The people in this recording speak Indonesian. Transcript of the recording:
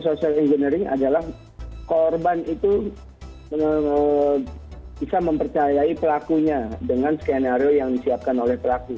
social engineering adalah korban itu bisa mempercayai pelakunya dengan skenario yang disiapkan oleh pelaku